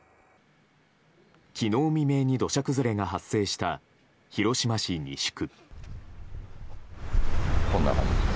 昨日未明に土砂崩れが発生した広島市西区。